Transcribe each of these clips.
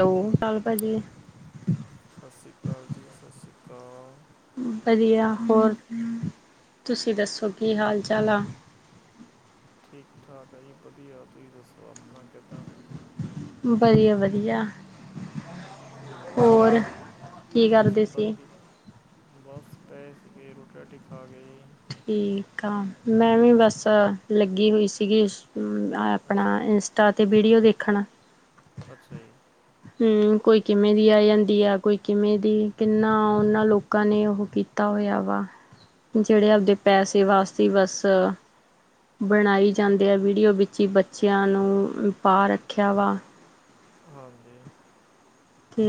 Hello ਚਾਲ ਭਾਜੀ ਸਤਿ ਸ਼੍ਰੀ ਅਕਾਲ ਜੀ, ਸਤਿ ਸ਼੍ਰੀ ਅਕਾਲ। ਵਧੀਆ। ਹੋਰ ਤੁਸੀਂ ਦੱਸੋ ਕੀ ਹਾਲ- ਚਾਲ ਆ। ਠੀਕ- ਠਾਕ ਹੈ ਜੀ ਵਧੀਆ ਤੁਸੀਂ ਦੱਸੋ ਆਪਣਾ ਕਿੱਦਾਂ। ਵਧੀਆ -ਵਧੀਆ। ਹੂ, ਹੋਰ ਕੀ ਕਰਦੇ ਮੌਸਮ ਦਾ ਸੀ ਕੀ। ਬਸ, ਪਏ ਸੀਗੇ ਰੋਟੀ- ਰਾਟੀ ਖਾਕੇ। ਠੀਕ ਆ। ਮੈਂ ਵੀ ਬਸ, ਲੱਗੀ ਹੋਈ ਸੀਗੀ। ਆਪਣਾ ਅੱਛਾ ਜੀ ਇੰਸ- ਟਾ ਤੇ ਵੀਡੀਓ ਦੇਖਣ ਅੱਛਾ ਜੀ। ਹੂ, ਕੋਈ ਕਿਵੇਂ ਦੀ ਆ ਜਾਂਦੀ ਆ ਕੋਈ ਕਿਵੇਂ ਦੀ, ਕਿੰਨਾ ਉਹਨਾਂ ਲੋਕ- ਲੋਕਾਂ ਨੇ ਉਹ ਕੀਤਾ ਹੋਇਆ ਵਾ। ਜਿਹੜੇ ਆਪਦੇ ਪੈਸੇ ਵਾਸਤੇ ਬਸ- ਬਣਾਈ ਜਾਂਦੇ ਆ ਵੀਡੀਓ ਵਿੱਚ ਹੀ ਬੱਚਿਆਂ ਨੂੰ ਪਾ ਰੱਖਿਆ ਵਾ। ਹੋ ਕੀ। ਹੂ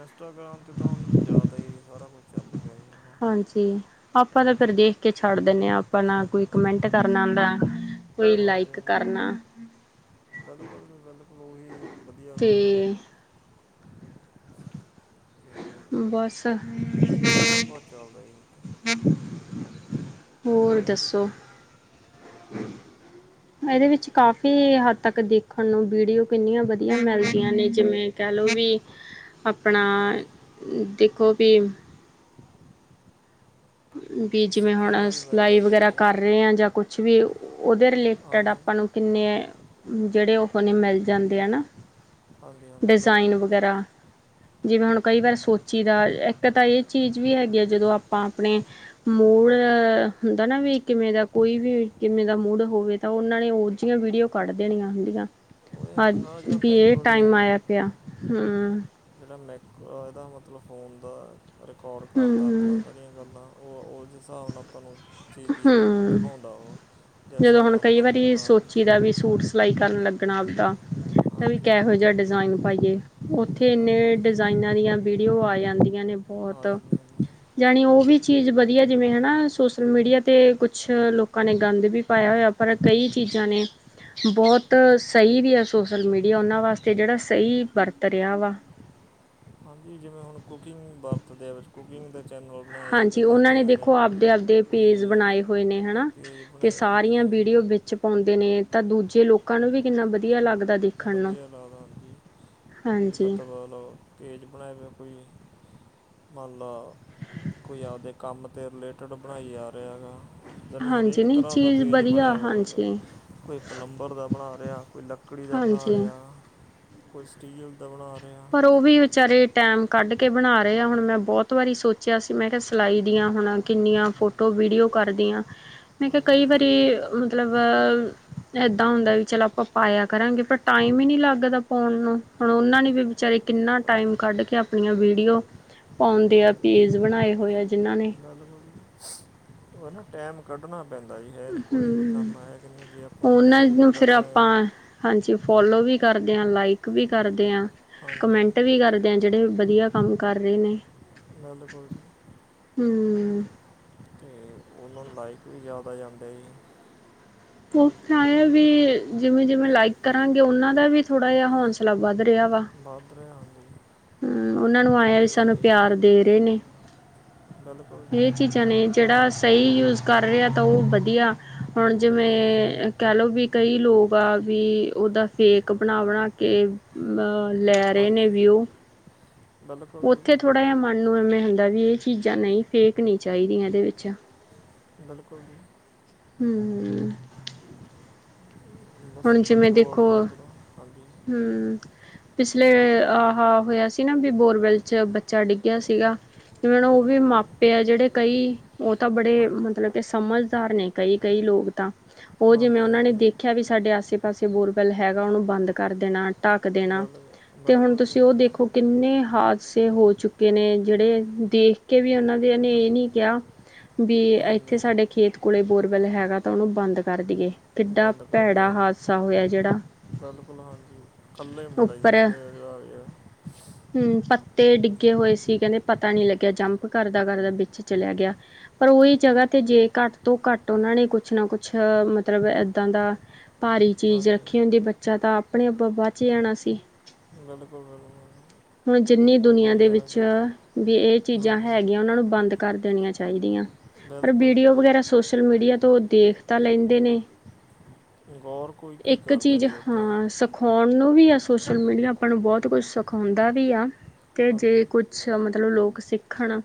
ਇੰਸਟਾਗ੍ਰਾਮ 'ਤੇ ਤਾਂ ਹੁਣ ਜੀ ਜ਼ਿਆਦਾ ਹੀ ਸਾਰਾ ਕੁਛ ਚੱਲ ਪਿਆ ਜੀ। ਨਾ ਹਾਂਜੀ। ਆਪਾਂ ਤਾਂ ਫਿਰ ਦੇਖ ਕੇ ਛੱਡ ਦਿੰਦੇ ਹਾਂਆਪਾਂ ਨਾ ਕੋਈ ਕਮੈਂਟ ਕਰਨਾ ਆਂਦਾ। ਕੋਈ ਹਾਂਜੀ ਲਾਈਕ ਹਾਂਜੀ ਕਰਨਾ। ਬਿਲਕੁਲ ਜੀ, ਬਿਲਕੁਲ ਉਹੀ ਵਧੀਆ ਤੇ ਗੱਲ ਆ। ਅਤੇ ਬਸ। ਬਾਹਲਾ ਕੁਛ ਚੱਲਦਾ ਜੀ ਇੱਥੇ। ਹੋਰ ਹੈਲੋ ਦੱਸੋ? ਇਹਦੇ ਵਿੱਚ ਕਾਫ਼ੀ ਹੱਦ ਤੱਕ ਦੇਖਣ ਨੂੰ ਵੀਡੀਓ ਕਿੰਨੀਆਂ ਵਧੀਆ ਮਿਲਦੀਆਂ ਨੇ ਜਿਵੇਂ ਕਹਿ ਲਓ ਵੀ ਆਪਣਾ। ਹਾਂਜੀ ਦੇਖੋ ਵੀ- ਵੀ ਕੁਝ ਜਿਵੇਂ ਸਿੱਖਣ ਹੁਣ ਨੂੰ ਵੀ ਸਿਲਾਈ ਮਿਲਦਾ ਜੀ ਵਗੈਰਾ ਇੱਥੇ ਕਰ ਰਹੇ ਹਾਂ ਜਾਂ ਕੁਛ ਵੀ- ਓਦੇ ਰਿਲੇਟਿਡ ਹਾਂਜੀ ਆਪਾਂ ਨੂੰ ਕਿੰਨੇ, ਜਿਹੜੇ ਉਹ ਮਿਲ ਜਾਂਦੇ ਆ ਨਾ। ਹਾਂਜੀ ਹਾਂਜੀ ਡਿਜ਼ਾਇਨ ਬਿਲਕੁਲ ਜੀ ਵਗੈਰਾ- ਜਿਵੇਂ ਹੁਣ ਕਈ ਵਾਰ ਸੋਚੀ ਦਾ, ਇੱਕ ਤਾਂ ਇਹ ਚੀਜ਼ ਵੀ ਹੈਗੀ ਆ ਜਦੋਂ ਆਪਾਂ ਆਪਣੇ- ਮੂਲ ਹਾਂਜੀ ਹੁੰਦਾ ਨਾ ਵੀ ਕਿਵੇਂ ਦਾ- ਕੋਈ ਵੀ, ਕਿਵੇਂ ਦਾ ਮੂਡ ਹੋਵੇ ਤਾਂ ਉਹਨਾਂ ਨੇ ਉਹ ਜਿਹੀਆਂ ਵੀਡੀਓ ਕੱਢ ਦੇਣੀਆਂ ਹੁੰਦੀਆਂ। ਉਹ ਇਹ ਅੱਜ ਆਪਣਾ ਜਿਹੜਾ ਬੀਏ ਟਾਈਮ ਮਾਈਕ੍ਰੋਵੇਵ ਆਇਆ ਪਿਆ। ਹੂ ਜਿਹੜਾ ਮੈਕ ਇਹਦਾ ਮਤਲਬ ਫ਼ੋਨ ਦਾ ਰਿਕਾਰਡ ਕਰਦਾ ਆਪਣਾ। ਹੂੰ ਸਾਰੀਆਂ ਗੱਲਾਂ, ਉਹ ਉਸਦੇ ਹਿਸਾਬ ਨਾਲ ਉਹ ਆਪਾਂ ਨੂੰ ਚੀਜ ਹੀ ਹੂੰ ਦਿਖਾਉਂਦਾ ਵਾ, ਉਹ ਜਿਸ ਜਦੋਂ ਹਿਸਾਬ ਨਾਲ ਹੁਣ ਕਈ ਆਪਣਾ ਵਾਰੀ ਮੂਡ ਆ। ਸੋਚੀ ਦਾ ਵੀ ਸੂਟ ਸਿਲਾਈ ਕਰਨ ਲੱਗਣਾ ਆਪਦਾ, ਵੀ ਹਾਂਜੀ ਕੇਹੋ ਜਿਹਾ ਡਿਜ਼ਾਇਨ ਪਾਈਏ। ਔਥੇ ਬਿਲਕੁਲ ਇੰਨੇ ਜੀ ਡਿਜ਼ਾਇਨਾਂ ਦੀਆਂ ਵੀਡੀਓ ਆ ਜਾਂਦੀਆਂ ਨੇ ਬਹੁਤ। ਆ ਜਾਂਦੇ ਆ ਜੀ ਜਾਣੀ ਉਹ ਵੀ ਚੀਜ਼ ਵਧੀਆ ਜਿਵੇਂ ਹਨਾ ਸੋਸ਼ਲ ਮੀਡੀਆ- ਤੇ ਕੁਛ ਲੋਕਾਂ ਨੇ ਗੰਦ ਵੀ ਪਾਇਆ ਹੋਇਆ ਪਰ, ਕਈ ਚੀਜ਼ਾਂ ਨੇ- ਬਹੁਤ ਸਹੀ ਵੀ ਆ ਸੋਸ਼ਲ ਮੀਡੀਆ ਉਹਨਾਂ ਵਾਸਤੇ ਜਿਹੜਾ ਸਹੀ ਵਰਤ ਰਿਹਾ ਵਾ। ਹਾਂਜੀ, ਜਿਵੇਂ ਹੁਣ ਕੁਕਿੰਗ ਵਰਤਦੇ ਵੇ। ਹਾਂਜੀ, ਉਹਨਾਂ ਨੇ ਹਜੇ ਦੇਖੋ ਆਪਦੇ-ਆਪਦੇ ਪੇਜ ਕੋਈ ਬਣਾਏ ਹੋਏ ਨੇ, ਹਨਾ। ਪੇਜ ਤੇ ਬਣਾਏ ਆ ਜੀ ਸਾਰੀਆਂ ਬਿਡੀਓ ਵਿੱਚ ਪਾਉਂਦੇ ਨੇ ਤਾਂ ਦੂਜੇ ਲੋਕਾਂ ਨੂੰ ਵੀ ਕਿੰਨਾ ਵਧੀਆ ਲੱਗਦਾ। ਦੇਖਣ ਨੂੰ ਵਧੀਆ, ਲਾਦ ਹਾਂਜੀ ਤੁ ਹਾਂਜੀ ਮਤਲਬ। ਪੇਜ ਬਣਾਏ ਹੋਏ ਆ ਕੋਈ ਮੰਨ ਲੋ ਕੋਈ ਆਪਦੇ ਕੰਮ ਤੇ ਰਿਲੇਟਡ ਬਣਾਈ ਜਾ ਰਿਹਾ ਗਾ। ਯਾਨੀ ਹਰੇਕ ਹਾਂਜੀ ਨਹੀਂ ਤਰਾਂ ਦਾ ਚੀਜ਼ ਪੇਜ ਵਧੀਆ ਬਣਿਆ ਹੋਇਆ ਵਾ। ਹਾਂਜੀ ਕੋਈ ਪਲੰਬਰ ਦਾ ਬਣਾ ਰਿਆ, ਕੋਈ ਲੱਕੜੀ ਦਾ ਬਣਾ ਹਾਂਜੀ ਰਿਆ। ਕੋਈ ਸਟੀਲ ਦਾ ਬਣਾ ਰਿਆ। ਪਰ ਓ ਵੀ ਵਿਚਾਰੇ ਟੈਮ ਕੱਢ ਕੇ ਬਣਾ ਰਹੇ ਆ, ਹੁਣ ਮੈਂ ਬਹੁਤ ਵਾਰੀ ਸੋਚਿਆ ਸੀ ਮੈਂ ਕਿਹਾ ਸਿਲਾਈ ਦੀਆਂ ਹੁਣ ਕਿੰਨੀਆਂ ਫੋਟੋ, ਵੀਡੀਓ ਕਰਦੀਆਂ। ਮੈਂ ਕਿਹਾ ਹਾਂਜੀ ਕਈ ਵਾਰੀ ਮਤਲਬ ਅਹ ਏਦਾਂ ਹੁੰਦਾ ਵੀ ਚਲ ਆਪਾਂ ਪਾਇਆ ਕਰਾਂਗੇ ਪਰ ਟਾਈਮ ਹੀ ਨੀ ਲੱਗਦਾ ਪਾਉਣ ਨੂੰ। ਹੁਣ ਓਨਾਂ ਨੇ ਵੀ ਵਿਚਾਰੇ ਕਿੰਨਾ ਬਈ ਟਾਈਮ ਕੱਢ ਕੇ ਆਪਣੀਆਂ ਵੀਡੀਓ ਪਾਉਂਦੇ ਆ ਪੇਜ ਬਣਾਏ ਹੋਏ ਆ ਜਿਨਾਂ ਨੇ। ਚੱਲ ਹੁਣ ਓ ਨਾ ਟੈਮ ਕੱਢਣਾ ਪੈਂਦਾ ਜੀ। ਹੈ ਨੀ ਕੋਈ ਵੀ ਹਮ ਕੰਮ ਐ ਕਿ ਨ‌ਈ ਜੇ ਆਪਾਂ ਉਹਨਾਂ ਟਾਈਮ ਨਾ ਨੂੰ ਫਿਰ ਕੱਢਾਂਗੇ ਆਪਾਂ ਹਾਂਜੀ ਫੋਲੋ ਵੀ ਕਰਦੇ ਆ, ਲਾਈਕ ਵੀ ਕਰਦੇ ਆ, ਹਾਂਜੀ ਕਮੈਂਟ ਵੀ ਕਰ ਦੇ ਜੇੜੇ ਵਧੀਆ ਕੰਮ ਕਰ ਰਹੇ ਨੇ। ਬਿਲਕੁਲ ਜੀ। ਹੂੰ। ਤੇ ਓਨਾਂ ਨੂੰ ਲਾਇਕ ਵੀ ਜਾਦਾ ਆ ਜਾਂਦਾ ਜੀ। ਓ ਫੇਰ ਐ ਆ ਵੀ ਜਿਵੇਂ-ਜਿਵੇਂ ਲਾਈਕ ਕਰਾਂਗੇ ਓਨਾਂ ਦਾ ਵੀ ਥੋੜਾ ਜਾ ਹੌਸ ਲਾ ਵੱਧ ਰਿਹਾ ਵਾ, ਵੱਧ ਰਿਹਾ ਹਾਂਜੀ ਹੂੰ ਓਨਾਂ ਨੂੰ ਆਏ ਆ ਵੀ ਸਾਨੂੰ ਤੇ ਪਿਆਰ ਦੇ ਰਹੇ ਨੇ। ਬਿਲਕੁਲ ਜੀ। ਜੇੜਾ ਸਹੀ ਯੂਜ ਕਰ ਰਿਹਾ ਤਾਂ ਓ ਵਧੀਆ ਹੁਣ ਹਾਂਜੀ ਜਿਵੇਂ ਅ ਕਹਿ ਲ‌ਓ ਵੀ ਕਈ ਲੋਕ ਆ ਵੀ ਓਦਾ ਫੇਕ ਬਣਾ-ਬਣਾ ਕੇ ਅਹ ਲੈ ਰਹੇ ਨੇ ਹਾਂਜੀ ਵਿਊ। ਬਿਲਕੁਲ ਜੀ ਓਥੇ ਥੋੜਾ ਜਾ ਮਨ ਨੂੰ ਐਵੇ ਹੁੰਦਾ ਵੀ ਏਹ ਚੀਜ਼ਾਂ ਨ‌ਈ ਫੇਕ ਨੀ ਚਾਹੀਦੀਆਂ ਏਦੇ ਵਿੱਚ। ਬਿਲਕੁਲ ਜੀ। ਹੂੰ। ਬਸ ਹੁਣ ਜਿਵੇਂ ਅੱਡੋ ਦੇਖੋ, ਅੱਡ ਉੱਧਰੋਂ ਹਾਂਜੀ ਹੂੰ। ਪਿਛਲੇ ਆਹਾ ਹੋਇਆ ਸੀ ਨਾ ਵੀ ਬੋਰਵੈਲ ਚ ਬੱਚਾ ਡਿੱਗਿਆ ਸੀਗਾ। ਜਿਵੇਂ ਹੁਣ ਓ ਵੀ ਬਿਲਕੁਲ ਜੀ ਮਾਪੇ ਆ ਜੇੜੇ ਕਈ, ਓ ਤਾਂ ਬੜੇ ਹਾਂਜੀ ਮਤਲਬ ਸਮਝਦਾਰ ਨੇ ਕਈ-ਕਈ ਲੋਕ ਤਾਂ, ਓ ਜਿਵੇਂ ਹਾਂਜੀ ਓਨਾਂ ਨੇ ਹਾਂਜੀ ਦੇਖਿਆ ਵੀ ਸਾਡੇ ਆਸੇ-ਪਾਸੇ ਬੋਰਵੈਲ ਹੈਗਾ ਓਨੂੰ ਬੰਦ ਕਰ ਦੇਣਾ। ਢੱਕ ਬਿਲ ਦੇਣਾ ਤੇ ਹੁਣ ਬਿਲਕੁਲ ਜੀ ਤੁਸੀਂ ਓ ਹਾਂਜੀ ਦੇਖੋ ਕਿੰਨੇ ਹਾਦਸੇ ਹੋ ਚੁੱਕੇ ਨੇ ਜੇੜੇ ਦੇਖ ਕੇ ਵੀ ਓਨਾਂ ਦੇ ਐਨੇ ਏ ਨੀ ਕਿਹਾ ਵੀ ਹਾਂਜੀ ਏਥੇ ਸਾਡੇ ਖੇਤ ਕੋਲੇ ਬੋਰਵੈਲ ਹੈਗਾ ਤਾਂ ਓਨੂੰ ਬੰਦ ਕਰ ਦੇਈਏ, ਕਿੱਡਾ ਬੰਦ ਕਰ ਭੈੜਾ ਹਾਦਸਾ ਹੋਇਆ ਜਿਹੜਾ ਬਿਲਕੁਲ ਹਾਂਜੀ, ਕੱਲਾ ਈ ਮੁੰਡਾ ਜੀ ਉੱਪਰ ਕਹਿੰਦੇ ਹੈਗੇ ਆ। [inaudible] ਹੂੰ ਪੱਤੇ ਡਿੱਗੇ ਹੋਏ ਸੀ ਕਹਿੰਦੇ ਪਤਾ ਨੀ ਲੱਗਿਆ ਜੰਪ ਕਰਦਾ-ਕਰਦਾ ਵਿੱਚ ਚਲਿਆ ਗਿਆ। ਪਰ ਓਹੀ ਜਗਾ ਤੇ ਜੇ ਘੱਟ ਤੋਂ ਘੱਟ ਓਨਾਂ ਨੇ ਕੁਛ ਨਾ ਕੁਛ ਮਤਲਬ ਐਦਾਂ ਦਾ ਭਾਰੀ ਚੀਜ਼ ਹਾਂਜੀ ਰੱਖੀ ਹੁੰਦੀ ਬੱਚਾਤਾਂ ਆਪਣੇ ਆਪਾਂ ਬਚ ਜਾਣਾ ਸੀ। ਬਿਲਕੁਲ-ਬਿਲਕੁਲ। ਹੁਣ ਜਿੰਨੀ ਦੁਨੀਆਂ ਦੇ ਵਿੱਚ ਵੀ ਏਹ ਚੀਜ਼ਾਂ ਹਾਂਜੀ ਹੈਗੀਆਂ ਓਨਾਂ ਨੂੰ ਬੰਦ ਕਰ ਦੇਣੀਆਂ ਚਾਹੀਦੀਆਂ। ਪਰ ਬਿਲਕੁਲ ਜੀ ਵੀਡੀਓ ਵਗੈਰਾ ਸੋਸ਼ਲ-ਮੀਡੀਆ ਤੋਂ ਓ ਦੇਖ ਤਾਂ ਲੈਂਦੇ ਨੇ। ਗੋਰ ਕੋ ਇੱਕ ਚੀਜ਼ ਹਾਂ ਸਭ ਸਿਖਾਉਣ ਨੂੰ ਵੀ ਆ ਸੋਸ਼ਲ ਮੀਡੀਆ, ਆਪਾਂ ਨੂੰ ਬਹੁਤ ਕੁਛ ਸਿਖਾਉਂਦਾ ਵੀ ਆ। ਤੇ ਹਾਂਜੀ ਜੇ ਕੁਛ ਮਤਲਬ ਲੋਕ ਸਿੱਖਣ,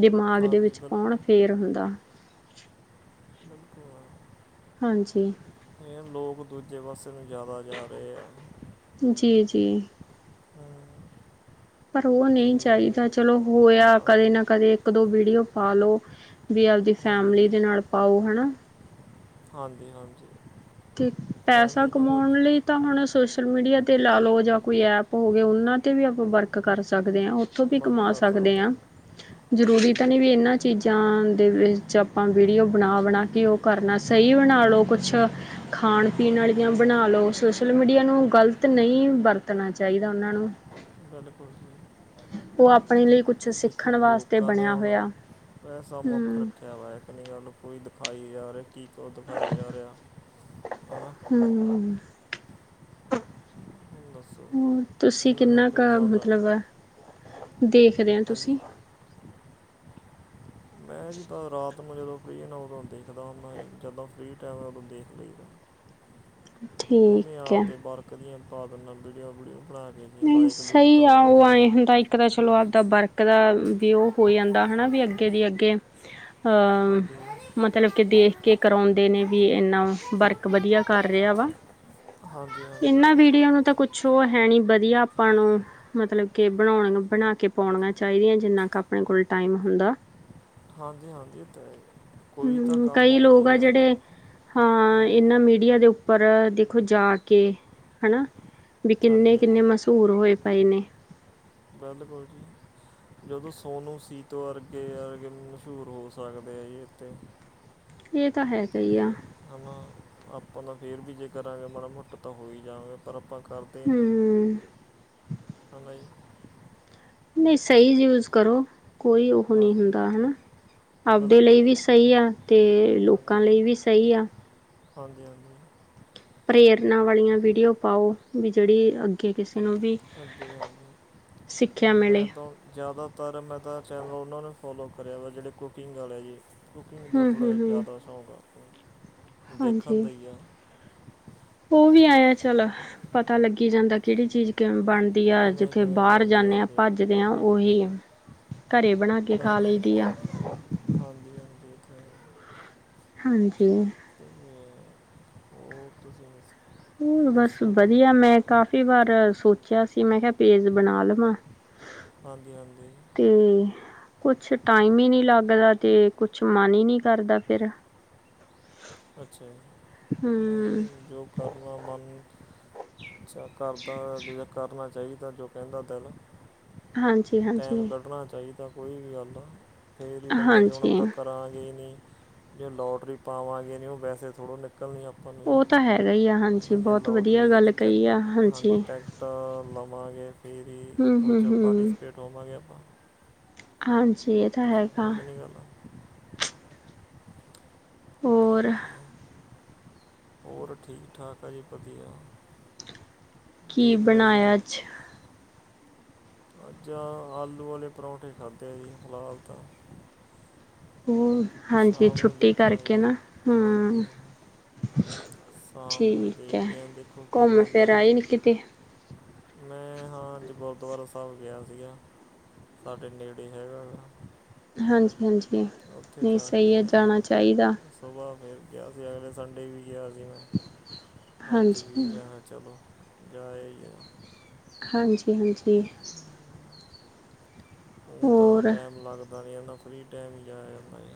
ਦਿਮਾਗ ਦੇ ਹਾਂਜੀ ਵਿੱਚ ਬਿਲਕੁਲ ਪਾਉਣ ਫੇਰ ਹੁੰਦਾ। ਬਿਲਕੁਲ। ਹਾਂਜੀ। ਇਹ ਲੋਕ ਦੂਜੇ ਪਾਸੇ ਨੂੰ ਜ਼ਿਆਦਾ ਜਾ ਰਹੇ ਆ। ਜੀ -ਜੀ। ਹਮ, ਪਰ ਉਹ ਨਈ ਤੇ ਚਾਹੀਦਾ। ਚਲੋ ਹੋਇਆ, ਕਦੇ ਹਾਂਜੀ ਨਾ ਕਦੇ ਇੱਕ-ਦੋ ਵੀਡੀਓ ਪਾਲੋ। ਵੀ ਆਪਦੀ ਹਾਂਜੀ ਫੈਮਲੀ ਦੇ ਨਾਲ ਪਾਓ ਹਨਾ। ਹਾਂਜੀ-ਹਾਂਜੀ। ਤੇ ਪੈਸਾ ਕਮਾਉਣ ਵੇਲੇ ਤਾਂ ਹੁਣ ਸੋਸ਼ਲ ਮੀਡੀਆ ਤੇ ਲਾ ਲਓ ਜਾਂ ਕੋਈ ਐਪ ਹੋ ਗਏ ਉਹਨਾਂ ਤੇ ਵੀ ਆਪਾਂ ਵਰਕ ਕਰ ਸਕਦੇ ਹਾਂ। ਉੱਥੋਂ ਵੀ ਵਰਕ ਕਮਾ ਕਰ ਸਕਦੇ ਸਕਦਾ ਆ, ਜਰੂਰੀ ਹਾਂਜੀ ਤਾਂ ਨੀ ਵੀ ਇਹਨਾਂ ਚੀਜ਼ਾਂ ਦੇ ਵਿੱਚ ਆਪਾਂ ਵੀਡੀਓ ਬਣਾ -ਬਣਾ ਕੇ ਓ ਕਰਨਾ, ਸਹੀ ਬਣਾ ਲਉ ਕੁਛ। ਖਾਣ-ਪੀਣ ਹਾਂਜੀ ਆਲੀਆਂ ਬਣਾ ਲਓ, ਸੋਸ਼ਲ ਮੀਡੀਆ ਨੂੰ ਗ਼ਲਤ ਨਈ ਵਰਤਣਾ ਚਾਹੀਦਾ ਉਹਨਾਂ ਨੂੰ। ਬਿਲਕੁਲ ਜੀ। ਉਹ ਆਪਣੇ ਲਈ ਕੁਛ ਤੇ ਦੇਖੀ ਸਿੱਖਣ ਵਾਸਤੇ ਲੋਕਾਂ ਨੇ ਬਣਿਆ ਹੁਣ ਹੋਇਆ ਪੈਸਾ ਮੁੱਖ ਹਮ ਰੱਖਿਆ ਕ ਵਾਕ ਨਹੀਂ ਗੱਲ ਕੋਈ ਦਿਖਾਈ ਜਾ ਰਿਹਾ, ਕੀ ਕੁਝ ਦਿਖਾਈ ਜਾ ਰਿਹਾ ਹਨਾ ਹਮ। ਹੁਣ ਦੱਸੋ ਹਮ ਤੁਸੀਂ ਇਹਨਾਂ ਨੇ ਕਿੰਨਾ ਕੋਈ ਕੁ ਸਾਨੂੰ ਮਤਲੱਬ ਦੇਖਦੇ ਓ ਹਾਂਜੀ ਤੁਸੀਂ? ਮੈਂ ਜੀ ਤਾਂ ਰਾਤ ਨੂੰ ਜਦੋਂ ਫ੍ਰੀ ਹੁਨਾ ਉਦੋਂ ਦੇਖਦਾ ਹੁੰਦਾ ਜੀ ਜਿੱਦਾਂ ਫ੍ਰੀ ਟਾਈਮ ਹੈ ਉਦੋਂ ਦੇਖ ਲਈਦਾ। ਮੈ ਵੀ ਠੀਕ ਹੈ ਆਪਦੇ ਵਰਕ ਦੀਆਂ ਪਾ ਦਿਨਾ ਵੀਡੀਓ-ਵੂਡੀਓ ਬਣਾ ਕੇ। ਜੀ ਨਹੀਂ ਲਾਈਕ ਲੂਕ ਤਾਂ ਸਹੀ ਆ ਆਉਂਦੇ ਉਹ ਨਹੀਂ ਆਏ ਆ ਹੁੰਦੈ ਤਾਂ ਚਲੋ ਆਪਦਾ ਵਰਕ ਦਾ ਵੀ ਉਹ ਹੋ ਜਾਂਦਾ ਹਨਾ ਵੀ ਹਾਂਜੀ ਅੱਗੇ ਦੀ ਅੱਗੇ ਹਾਂ ਮਤਲੱਬ ਵੀ ਦੇਖ ਕੇ ਕਰਾਉਂਦੇ ਨੇ ਵੀ ਇਨਾ ਵਰਕ ਵਧੀਆ ਕਰ ਰਿਹਾ ਵਾ‌। ਹਾਂਜੀ ਹਾਂਜੀ ਇਹਨਾਂ ਵੀਡੀਓ ਨੂੰ ਤਾਂ ਕੁੱਛ ਓ ਹੈ ਨੀ ਵਧੀਆ ਆਪਾਂ ਨੂੰ ਮਤਲੱਬ ਕੇ ਬਣਾਉਣ ਨੂੰ, ਬਣਾ ਕੇ ਪਾਉਣੀਆਂ ਚਾਹੀਦੀਆਂ ਜਿੰਨਾ ਕੁ ਆਪਣੇ ਕੋਲ ਟਾਈਮ ਹੁੰਦਾ। ਹਾਂਜੀ-ਹਾਂਜੀ। ਇਹ ਤਾਂ ਹੈ ਕੋਈ ਤਾਂ ਹੂੰ ਕੰਮ ਕਈ ਆਉਂਦਾ ਲੋਕ ਈ ਆ ਐ ਗਾ। ਜਿਹੜੇ ਹਾਂ। ਇਹਨਾਂ ਮੀਡੀਆ ਦੇ ਉੱਪਰ ਦੇਖੋ ਜਾ ਕੇ ਹਨਾ ਵੀ ਹਾਂਜੀ ਕਿੰਨੇ ਹਾਂਜੀ ਮਹਸ਼ੂਰ ਹੋਏ ਪਏ ਨੇ। ਬਿਲਕੁਲ ਜੀ। ਜਦੋਂ ਸੋਨੂੰ, ਸੀਤੋ ਵਰਗੇ ਆਕੇ ਮਸ਼ਹੂਰ ਹੋ ਸਕਦੇ ਆ ਜੀ ਇਤੇ। ਇਹ ਤਾਂ ਹੈਗਾ ਈ ਆ। ਹੈਨਾ ਆਪਾਂ ਤਾਂ ਫਿਰ ਵੀ ਜੇ ਕਰਾਂਗੇ ਮਾੜਾ ਮੋਟਾ ਤਾਂ ਹੋ ਹੀ ਜਾਵਾਂਗੇ, ਪਰ ਆਪਾਂ ਕਰਦੇ ਕਰਦੇ ਨੀ, ਹੂੰ ਹਨਾ ਜੀ। ਨਈ ਸਹੀ ਯੂਜ ਕਰੋ। ਕੋਈ ਉਹੋ ਨੀ ਹਾਂਜੀ ਹੁੰਦਾ ਹਨਾਂ। ਆਪਦੇ ਬਿਲਕੁਲ ਲਈ ਜੀ ਵੀ ਸਹੀ ਆ ਤੇ ਲੋਕਾਂ ਲਈ ਵੀ ਸਹੀ ਆ। ਹਾਂਜੀ-ਹਾਂਜੀ। ਪ੍ਰੇਰਨਾ ਵਾਲੀਆਂ ਵੀਡੀਓ ਪਾਓ ਵੀ ਜਿਹੜੀ ਅੱਗੇ ਅੱਗੇ ਕਿਸੇ ਨੂੰ ਵੀ ਹਾਂਜੀ ਹਾਂਜੀ ਸਿੱਖਿਆ ਮੈਂ ਮਿਲੇ। ਤਾਂ ਜ਼ਿਆਦਾਤਰ ਮੈਂ ਤਾਂ ਚੈਨਲ ਉਹਨਾਂ ਨੇ ਫੋਲੋ ਕਰਿਆ ਵਾ, ਜਿਹੜੇ ਕੁਕਿੰਗ ਵਾਲੇ ਜੀ। ਕੁਕਿੰਗ ਦਾ ਹੂੰ ਥੋੜ੍ਹਾ ਹੂੰ ਜਿਹਾ ਹੂੰ ਜ਼ਿਆਦਾ ਸ਼ੌਕ ਆ‌ ਦੇਖਣ ਦਾ ਈ ਆ। ਉ ਵੀ ਆਇਆ ਚੱਲ ਪਤਾ ਹਮ, ਲੱਗੀ ਜਾਂਦਾ ਕਿਹੜੀ ਚੀਜ਼ ਕਿਵੇਂ ਬਣਦੀ ਵਧੀਆ ਕਿਵੇਂ ਜਿੱਥੇ ਕਿਵੇਂ ਬਾਹਰ ਬਣਦੇ ਜਾਂਨੇ ਆਂ, ਜਾਂਦੇ ਆ। ਭੱਜਦੇ ਆਂ ਹਾਂਜੀ ਉਹੀ ਐ ਘਰੇ ਬਣਾ ਕੇ ਖਾ ਲਈ ਦੀ ਬਿਲਕੁਲ ਆ ਹਾਂਜੀ ਹਾਂਜੀ ਇਹ ਤਾਂ ਹੈ ਹੀ ਹਾਂਜੀ ਅਤੇ ਉਹ ਤੁਸੀਂ ਦੱਸੋ [inaudible] ਹੋਰ ਬਸ ਕੋਈ ਵਧੀਆ ਮੈਂ ਕਾਫ਼ੀ ਵਾਰ ਸੋਚਿਆ ਸੀ ਮੈਂ ਕਿਹਾ ਪੇਜ ਬਣਾ ਲਵਾਂ ਹਾਂਜੀ ਹਾਂਜੀ ਤੇ ਕੁੱਛ ਟਾਈਮ ਹੀ ਨਹੀਂ ਲੱਗਦਾ, ਤੇ ਕੁੱਛ ਮਨ ਹੀ ਨਹੀਂ ਕਰਦਾ ਫਿਰ ਅੱਛਾ ਹੂ ਨਹੀਂ ਜੋ ਕਰਨਾ ਮਨ ਕਰਦਾ, ਕਰਨਾ ਚਾਹੀਦਾ ਜੋ ਕਹਿੰਦਾ ਦਿਲ ਹਾਂਜੀ ਟਾਈਮ ਕੱਢਣਾ ਚਾਹੀਦਾ ਕੋਈ ਵੀ ਗੱਲ ਆ, ਫਿਰ ਹੀ ਬੰਦਾ ਜੋ ਹੁਣ ਹਾਂਜੀ। ਆਪਾਂ ਕਰਾਂਗੇ ਈ ਨਹੀਂ ਜੇ ਲੋਟਰੀ ਪਾਵਾਂਗੇ ਨਈ, ਉਹ ਵੈਸੇ ਥੋੜ੍ਹੋ ਨਿਕਲਣੀ ਆ ਆਪਨੀ ਉਹ ਤਾਂ ਹੈਗਾ ਹੀ ਆ ਹਾਂਜੀ ਜੋ ਬਹੁਤ ਵਧੀਆ ਲੋੌਟਰੀ ਗੱਲ ਦੀ ਕਹੀ ਟਿੱਕਟ, ਆ ਹਾਂਜੀ ਟਿੱਕਟ ਤਾਂ ਲਵਾਂਗੇ ਫਿਰ ਹੀ ਉਹ 'ਚੋਂ ਹੂੰ-ਹੂੰ-ਹੂੰ, ਪਾਰਟੀਸਪੇਟ ਹੋਵਾਂਗੇ ਆਪਾਂ ਹਾਂਜੀ ਤਾਂ ਹੈ ਹੈਗਾ ਕਿ ਨੀ ਗੱਲ ਹੋਰ ਤੇ ਹੋਰ ਠੀਕ ਠਾਕ ਆ ਜੀ ਵਧੀਆ, ਕੀ ਦੇਖ ਰਹੇ ਸੀ ਬਣਾਇਆ ਅੱਜ ਅੱਜ ਆਲੂ ਵਾਲੇ ਪਰੌਂਠੇ ਖਾਧੇ ਆ ਜੀ, ਫਿਲਹਾਲ ਤਾਂ ਹੋਰ ਹਾਂਜੀ ਸ਼ਾਮ ਨੂੰ ਛੁੱਟੀ ਕਰਕੇ ਦੇਖਾਂਗੇ ਨਾ, ਹੂ ਹਾਂਜੀ ਸ਼ਾਮ ਨੂੰ ਠੀਕ ਏ, ਦੇਖਦੇ ਆਂ ਦੇਖੋ ਕੀ ਘੁੰਮ ਬਣਦਾ ਫਿਰ ਜੀ ਆਈ ਨੀ ਕਿਤੇ। ਮੈਂ ਹਾਂ ਅੱਜ ਗੁਰਦੁਆਰਾ ਸਾਹਿਬ ਗੇਆ ਸੀਗਾ। ਸਾਡੇ ਨੇੜੇ ਹੈਗਾ। ਹਾਂਜੀ-ਹਾਂਜੀ ਨਈ ਸਈ ਹੈ ਜਾਣਾ ਚਾਇਦਾ। ਸੁਬਾ ਫੇਰ ਗਿਆ ਸੀ, ਅਗਲੇ ਸੰਡੇ ਵੀ ਗਿਆ ਸੀ ਮੈਂ ਅੱਜ ਹਾਂਜੀ, ਵੀ ਮੈਂ ਹ ਚਲੋ ਜਾ ਆਈਏ ਹਾਂਜੀ-ਹਾਂਜੀ। ਉਦਾ ਹੋਰ ਟਾਈਮ ਲੱਗਦਾ ਨੀ ਨਾ, ਫ੍ਰੀ ਟਾਈਮ ਹੀ ਜਾਆ ਜਾਂਦਾ ਏ।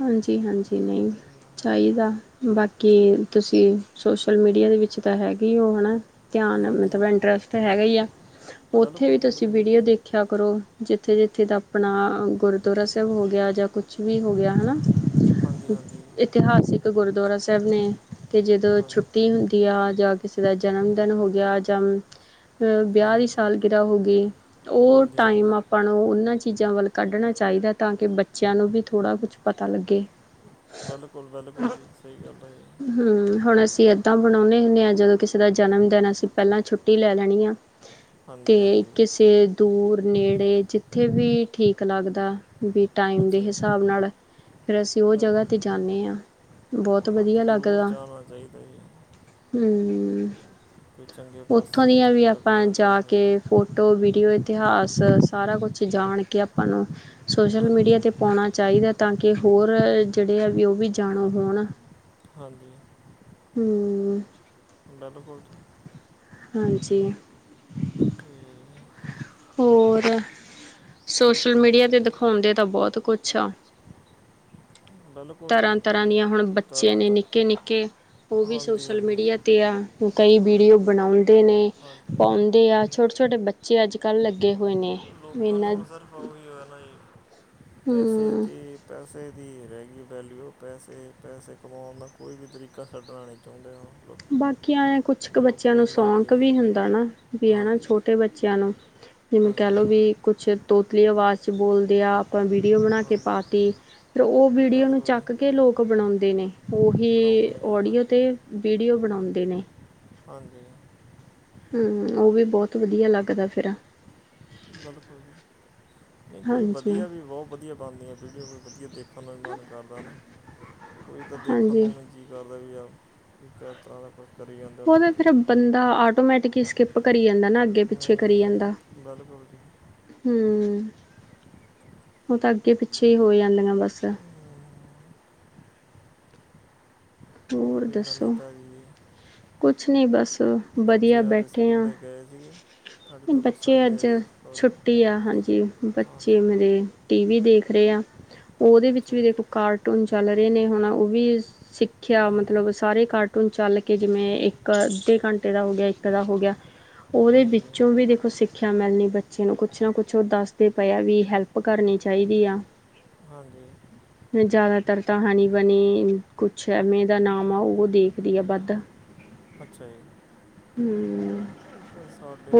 ਹਾਂਜੀ-ਹਾਂਜੀ ਨਹੀਂ। ਚਾਈਦਾ, ਬਾਕੀ ਤੁਸੀਂ ਸੋਸ਼ਲ ਮੀਡੀਆ ਦੇ ਵਿੱਚ ਤਾਂ ਹੈਗੇ ਈ ਹੋ ਹੈਨਾ। ਧਿਆਨ ਹਾਂਜੀ ਮਤਲਬ ਇੰਟਰਸਟ ਤੇ ਹੈਗਾ ਇ ਆ, ਉੱਥੇ ਵੀ ਬਿਲਕੁਲ ਤੁਸੀਂ ਬਿਲਕੁਲ ਵੀਡੀਓ ਜੀ ਦੇਖੀ ਖਿਆ ਕਰੋ ਜਿੱਥੇ ਜਿੱਥੇ ਦਾ ਅਪਣਾ ਗੁਰਦੁਆਰਾ ਸਾਹਿਬ ਹੋ ਗਿਆ ਜਾਂ ਕੁਛ ਵੀ ਹੋ ਗੇਆ। ਹਨਾ ਹਾਂਜੀ ਹਾਂਜੀ ਇਤਿਹਾਸਿਕ ਗੁਰਦੁਆਰਾ ਸਾਹਿਬ ਨੇ, ਤੇ ਜਿਦੋਂ ਹਾਂਜੀ ਛੁੱਟੀ ਹੁੰਦੀ ਗੇਆ ਜਾਂ ਕਿਸੇ ਦਾ ਜਨਮ ਦਿਨ ਹੋ ਗਿਆ ਜਾਂ ਅ ਵਿਆਹ ਦੀ ਹਾਂਜੀ ਸਾਲ ਗਿਰਾਹ ਹੋ ਗਈ, ਤੇ ਉ ਹਾਂਜੀ ਟਾਈਮ ਹਾਂਜੀ ਅਪ ਆਪਾਂ ਨੂੰ ਉਨਾਂ ਚੀਜ਼ਾਂ ਵੱਲ ਕੱਢਣਾ ਚਾਇਦੇ, ਤਾਂ ਕਿ ਬੱਚਿਆਂ ਨੂੰ ਵੀ ਥੋੜ੍ਹਾ ਕੁਛ। ਪਤਾ ਲੱਗੇ ਬੇਲਕੁਲ ਬੇਲਕੁਲ ਜੀ ਸਈ ਗੱਲ ਐ ਏ। ਹੂ, ਹੁਣ ਅਸੀਂ ਇੱਦਾਂ ਮਣਾਦੇ ਹੁੰਦੇ ਆ ਜਦੋਂ ਕਿਸੇ ਦਾ ਜਨਮ ਦੇਨ ਅਸੀਂ ਪਹਲਾਂ ਛੁੱਟੀ ਲੈ ਲੈਣੀ ਆ। [inaudible] ਤੇ ਹਾਂਜੀ ਕਿਸੇ ਦੂਰ ਨੇੜੇ ਜਿੱਥੇ ਵੀ ਠੀਕ ਲੱਗਦਾ ਵੀ ਟਾਈਮ ਦੇ ਅੱਛਾ ਜੀ ਹਿਸਾਬ ਨਾਲ। ਫੇਰ ਅਸੀਂ ਉ ਬਿਲ- ਜਗ੍ਹਾਹ ਤੇ ਜਾਂਨੇ ਆਂ, ਬਹੁਤ ਵਧੀਆ ਹਾਂਜੀ ਜ਼ਰੂਰ ਲੱਗਦਾ। ਜਾਣਾ ਚਾਹੀਦਾ ਜੀ ਹੁੰ ਕੋਈ ਚੰਗੇ ਪਾਸੇ ਓਥੋਂ ਦੀਆਂ ਵੀ ਆਪਾਂ ਲੱਗਣਾ ਜਾ ਚਾਹੀਦਾ ਕੇ ਜੀ ਫੋਟ ਟੋ ਵੀਡੀਓ ਇਤਿਹਾਸ ਸਾਰਾ ਕੁਛ ਈ ਜਾਣ ਕੇ ਆਪਾਂ ਨੂੰ ਸੋਸ਼ਲ ਹਾਂਜੀ ਮੀਡੀਆ ਤੇ ਪਾਉਣਾ ਚਾਈਦਾ ਏ ਤਾਂ ਕਿ ਹੋਰ ਜੇੜੇ ਆ ਵੀ ਓ ਵੀ ਜਾਣੂ ਹੋਣ। ਹਾਂਜੀ, ਹੂੰ, ਬੇਲਕੁਲ ਜੀ। ਹਾਂਜੀ। ਹੁੰ [inaudible] ਹੋਰ। ਸੋਸ਼ਲ ਮੀਡੀਆ ਤੇ ਦਿਖਾਉਂਦੇ ਤਾ ਬੌਤ ਕੁਛ ਆ। ਬਿਲਕੁਲ ਜੀ ਤਰਾਂ ਤਰਾਂ ਇਹ ਦੀਆਂ ਹੁਣ ਬੱਚੇ ਤਰ੍ਹਾਂ ਨੇ ਤਾਂ ਨਿੱਕੇ ਨਿੱਕੇ ਓ ਵੀ ਹਾਂਜੀ ਸੋਸ਼ਲ ਹਾਂਜੀ ਮੀਡੀਆ ਤੇ ਆ ਕਈ ਵੀਡੀਓ ਬਣਾਉਂਦੇ ਨੇ ਹਾਂਜੀ ਪਾਉਂਦੇ ਆ ਕੋਈ ਛੋਟੇ ਛੋਟੇ ਬੱਚ ਬੱਚੇ ਅੱਜ ਕੱਲ੍ਹ ਲੱਗੇ ਹੋਏ ਨੇ ਏਨਾਂ ਅਉਣ ਈ ਆਲਾ ਏ ਪੈਸੇ ਹੂੰ ਤੇ ਪੈਸੇ ਦੀ ਰੈ ਗਈ ਵੈਲਿਊ ਪੈਸੇ, ਪੈਸੇ ਕਮਾਉਣ ਦਾ ਕੋਈ ਵੀ ਤਰੀਕਾ ਛੱਡਣਾ ਨੀ ਚਾਉਂਦਾ। ਬਾਕੀਆਂ ਨੇ ਕੁਛ ਕੁ ਬੱਚਿਆਂ ਨੂੰ ਸੌਨ ਮਰਜ਼ੀ ਕ ਵੀ ਹਾਂਜੀ ਹੁੰਦੈ ਨਾ ਵੀ ਹਨਾ ਹਾਂਜੀ ਛੋਟੇ ਬੱਚਿਆਂ ਨੂੰ ਜਿਵੇਂ ਕੈ ਹਾਂਜੀ ਲੋੋ ਵੀ ਕੁਛ ਤੋਤਲੀ ਆਵਾਜ਼ ਚ ਬੋਲਦੇ ਆ ਆਪਾਂ ਵੀਡੀਓ ਬਣਾ ਕੇ ਹਾਂਜੀ ਪਾਤੀ। ਤੇ ਓ ਵੀਡੀਓ ਨੂੰ ਬਿਲਕੁਲ ਜੀ ਚੱਕ ਕੇ ਲੋਕ ਬਣਾਉਂਦੇ ਨੇ ਓਹੀ ਬਣਾਉਂਦੇ ਨੇ ਓਡੀਓ ਤੇ ਹਾਂਜੀ ਵੀਡੀਓ ਬਣਾਉਂਦੇ ਨੇ। ਹਾਂਜੀ। ਹੁੰ ਓ ਵੀ ਬੋਤ ਵਧੀਆ ਲੱਗਦੈ ਫੇਰ। ਗੱਲ ਕਰੋ। ਨਇ ਕੋਈ ਹਾਂਜੀ ਵਧੀਆ ਵੀ ਬੋਤ ਵਧੀਆ ਬਣਦੀਆਂ ਵੀਡੀਓ ਕੋਈ ਵਧੀਆ ਦੇਖਣ ਨੂੰ ਵੀ ਮਨ ਕਰਦਾ ਨਾ। ਕੋਈ ਤਾ ਦੇਖਣ ਹਾਂਜੀ ਨੂੰ ਨਈ ਜੀ ਕਰਦਾ ਵੀ ਯਾਰ ਕਿਸ ਤਰ੍ਹਾਂ ਦਾ ਕੁਛ। ਓ ਤੇ ਫੇਰ ਬੰਦਾ ਆਟੋਮੈਟਿਕਲੀ ਸਕਿੱਪ ਕਰੀ ਜਾਂਦਾ ਨਾ ਅੱਗੇ ਹੂੰ ਪਿੱਛੇ ਕਰੀ ਜਾਂਦਾ। ਬਿਲਕੁਲ ਜੀ ਹੁੰ ਓ ਤਾ ਅੱਗੇ ਪਿੱਛੇ ਈ ਹੋ ਜਾਂਦੀਆਂ ਬਸ। ਹਮ, ਹੋਰ ਕੋਈ ਨਵੀਂ ਦੱਸੋ? ਤਾਜੀ ਕੁਛ ਨੀ ਬਸ ਵਧੀਆ ਬੱਚੇ ਅੱਜ ਬੈਠੇ ਆਂ। ਸਕੂਲੇ ਗਏ ਸੀਗੇ ਅੱਜ ਤਾਂ ਪਰ ਬੱਚੇ ਸੰਡੇ ਹੈ ਅੱਜ ਜੀ ਸੌਰੀ ਛੁੱਟੀ ਆ ਹਾਂਜੀ ਹਾਂ ਬੱਚੇ ਮੇਰੇ ਨਹੀਂ ਟੀ ਵੀ ਦੇਖ ਰੇ ਆ ਓਦੇ ਵਿਚ ਅੱਛਾ ਵੀ ਦੇਖੋ ਕਾਰਟ ਜੀ ਕਾਰਟੂਨ ਚਲ ਰੇ ਨੇ ਹੁਨ ਓ ਵੀ ਸਿਖਿਆ ਹਾਂਜੀ ਮਤਲਬ ਸਾਰੇ ਕਾਰਟੂਨ ਚਲ ਕੇ ਜਿਵੇ ਇੱਕ ਅੱਧੇ ਘੰਟੇ ਦਾ ਹੋ ਗਿਆ ਇੱਕ ਦਾ ਹੋ ਗਿਆ ਓਦੇ ਹਾਂਜੀ ਵਿਚੋ ਵੀ ਦੇਖੋ ਸਿ- ਸਿਖਿਆ ਮਿਲਣੀ ਬੱਚੇ ਨੂੰ ਕੁਛ ਨਾ ਕੁਛ ਓ ਦਸਦੇ ਪਏ ਆ ਵੀ ਹੈਲਪ ਕਰਨੀ ਚਾਈਦੀ ਆ ਹਾਂਜੀ ਜਿਆਦਾਤਰ ਤਾਂ ਹਨੀ ਬਨੀ ਕੁਛ ਐਮੇ ਦਾ ਨਾਮ ਆ ਓ ਦੇਖਦੀ ਆ ਵੱਧ। ਅੱਛਾ ਜੀ ਹੂੰ ਉੱਪਰ ਸਾਡੇ [unintelligible]